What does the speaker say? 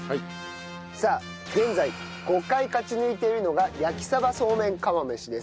さあ現在５回勝ち抜いているのが焼鯖そうめん釜飯です。